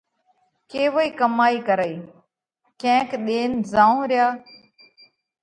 ڪيوئِي ڪمائِي ڪرئِي؟ ڪينڪ ۮينَ زائونه ريا،